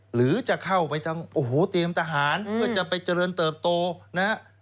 หรือจะเข้าไปเตรียมตะหารเพื่อจะไปเจริญเติบโตนะ